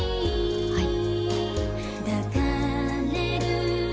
はい。